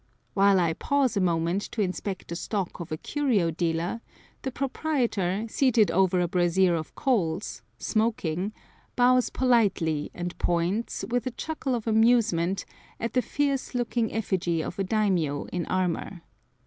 While I pause a moment to inspect the stock of a curio dealer, the proprietor, seated over a brazier of coals, smoking, bows politely and points, with a chuckle of amusement, at the fierce looking effigy of a daimio in armor.